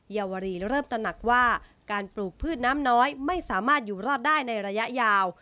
ยาวรีเริ่มตนักว่าการปลูกพืชน้ำน้อยไม่สามารถอยู่รอดได้ในระยะยาว